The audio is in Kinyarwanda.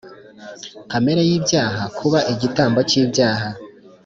Kamere y ibyaha kuba igitambo cy ibyaha